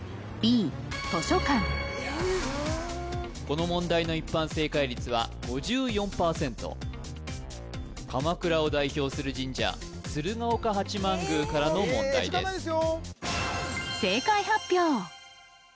この問題の一般正解率は５４％鎌倉を代表する神社鶴岡八幡宮からの問題です正解発表